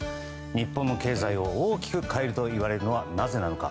日本の経済を大きく変えると言われるのはなぜなのか。